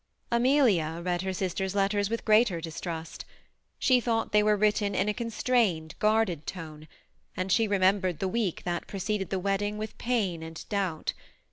Amelia read her sister's letters with greater distrust. She thought they were written in a constrained, guarded tone, and she remembered the week that preceded the wedding with pain and doubt.